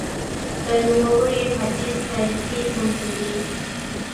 د نوموړي حدیث تاریخي کمزوري :